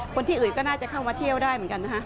คนที่อื่นก็น่าจะเข้ามาเที่ยวได้เหมือนกันนะคะ